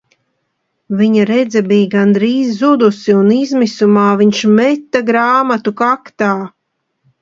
Viņa redze bija gandrīz zudusi un izmisumā viņš meta grāmatu kaktā.